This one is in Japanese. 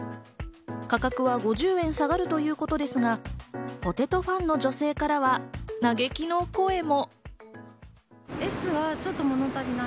価格は５０円下がるということですが、ポテトファンの女性からは嘆きの声も。